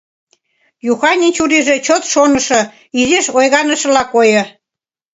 Юханын чурийже чот шонышо, изиш ойганышыла койо.